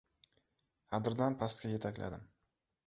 Adirdan pastga yetakladim.